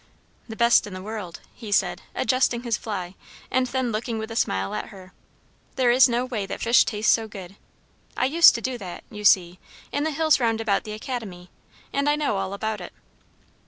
"The best in the world," he said, adjusting his fly, and then looking with a smile at her. "There is no way that fish taste so good. I used to do that, you see, in the hills round about the Academy; and I know all about it."